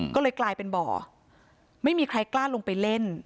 ก็เลยกลายเป็นบ่อไม่มีใครกล้าลงไปเล่น